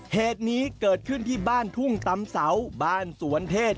เหตุนี้เกิดขึ้นที่บ้านทุ่งตำเสาบ้านสวนเทศ